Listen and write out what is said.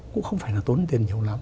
cũng không phải là tốn tiền nhiều lắm